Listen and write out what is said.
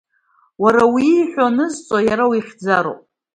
Уара уи ииҳәо анызҵо, иара уихьӡароуп.